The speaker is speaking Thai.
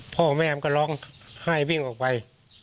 พ่อแม่มันก็ร้องไห้วิ่งออกไป